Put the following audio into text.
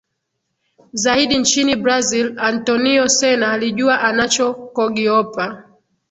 zaidi nchini Brazil Antonio Sena alijua anachokogiopa